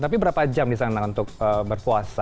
tapi berapa jam di sana untuk berpuasa